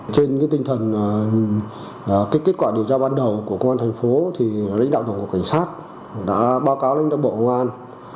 trên cái tinh thần cái kết quả điều tra ban đầu của công an thành phố thì lãnh đạo tổng hợp cảnh sát đã báo cáo lãnh đạo bộ công an